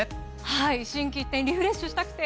はい心機一転リフレッシュしたくて。